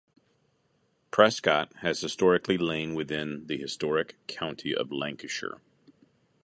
Prescot has historically lain within the historic county of Lancashire.